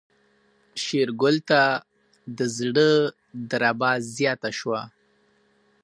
شېرګل ته د زړه دربا زياته شوه.